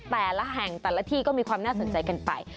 แต่ละแห่งแต่ละที่ก็มีความน่าสนใจกันไป